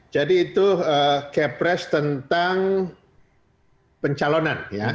jadi itu kepres tentang pencalonan ya